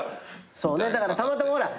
そうねだからたまたまほら。